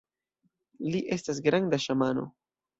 Li estas granda ŝamano!